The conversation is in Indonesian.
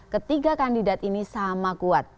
ketiga kandidat ini sama kuat